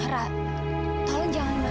ra tolong jangan marah